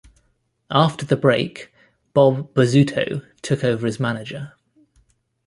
After the break, Bob Bozzuto took over as manager.